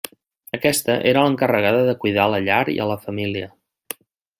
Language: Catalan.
Aquesta era l'encarregada de cuidar la llar i a la família.